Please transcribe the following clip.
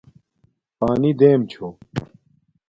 پانی دیم چھوم